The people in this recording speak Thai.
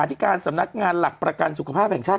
ที่การสำนักงานหลักประกันสุขภาพแห่งชาติ